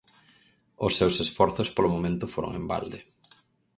Os seus esforzos polo momento foron en balde.